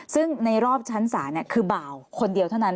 ซึ่งในรอบชั้นศาลคือบ่าวคนเดียวเท่านั้น